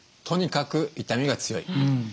とにかく痛みが強い。